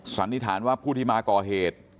สันนิษฐานว่าผู้ที่มาก่อเหตุ